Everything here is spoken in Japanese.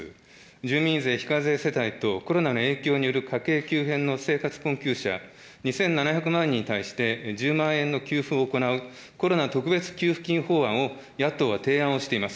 住民税非課税世帯とコロナの影響による家計急変の生活困窮者、２７００万人に対して１０万円の給付を行う、コロナ特別給付金法案を野党は提案をしています。